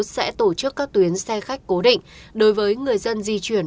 sẽ tổ chức các tuyến xe khách cố định đối với người dân di chuyển